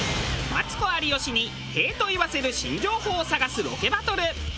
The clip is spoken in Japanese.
マツコ有吉に「へぇ」と言わせる新情報を探すロケバトル。